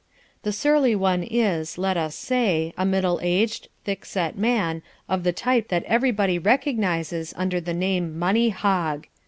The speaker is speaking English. The surly one is, let us say, a middle aged, thick set man of the type that anybody recognizes under the name Money Hog.